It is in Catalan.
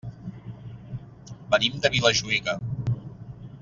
Venim de Vilajuïga.